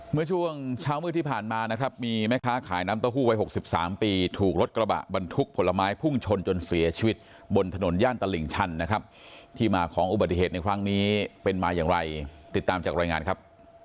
เมื่อช่วงเช้ามืดที่ผ่านมานะครับมีแม่ค้าขายน้ำเต้าหู้วัย๖๓ปีถูกรถกระบะบรรทุกผลไม้พุ่งชนจนเสียชีวิตบนถนนย่านตลิ่งชันนะครับที่มาของอุบัติเหตุในครั้งนี้เป็นมาอย่างไรติดตามจากรายงานครับ